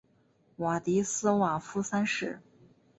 瓦迪斯瓦夫三世。